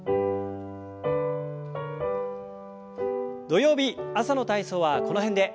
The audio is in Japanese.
土曜日朝の体操はこの辺で。